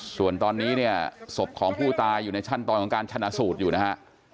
ส่วนตอนนี้เนี่ยศพของผู้ตายอยู่ในขั้นตอนของการชนะสูตรอยู่นะฮะ